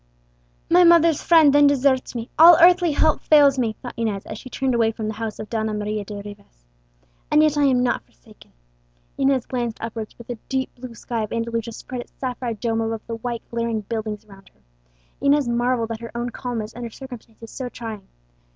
"My mother's friend then deserts me, all earthly help fails me," thought Inez, as she turned away from the house of Donna Maria de Rivas. "And yet I am not forsaken." Inez glanced upwards where the deep blue sky of Andalusia spread its sapphire dome above the white glaring buildings around her. Inez marvelled at her own calmness under circumstances so trying.